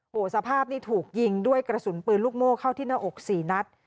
โอ้โหสภาพนี่ถูกยิงด้วยกระสุนปืนลูกโม่เข้าที่หน้าอก๔นัด